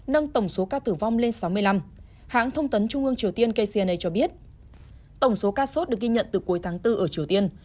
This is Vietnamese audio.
nâng tổng số ca tử vong lên sáu mươi năm hãng thông tấn trung ương triều tiên kcna cho biết tổng số ca sốt được ghi nhận từ cuối tháng bốn ở triều tiên